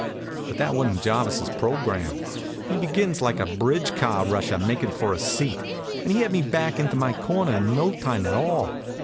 But that wa'n't Jarvis's program. He begins like a bridge car rusher makin' for a seat, and he had me back into my corner in no time at all.